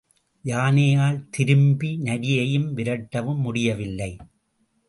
யானையால் திரும்பி நரியை விரட்டவும் முடியவில்லை.